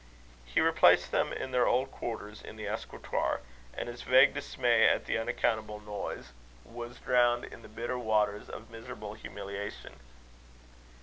He replaced them in their old quarters in the escritoire; and his vague dismay at the unaccountable noises, was drowned in the bitter waters of miserable humiliation.